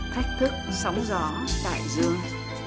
thách thức sóng gió đại dương